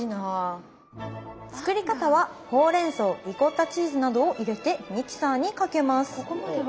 作り方はほうれんそうリコッタチーズなどを入れてミキサーにかけます。